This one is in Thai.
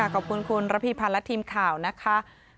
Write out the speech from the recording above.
ขอบคุณคุณระพีพันธ์และทีมข่าวนะคะ